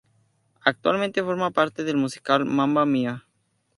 Actualmente forma parte del musical "Mamma Mia!